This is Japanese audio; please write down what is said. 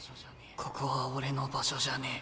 ここは俺の場所じゃねえ。